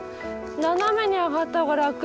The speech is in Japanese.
斜めに上がった方が楽？